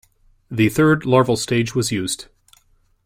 The third larval stage was used.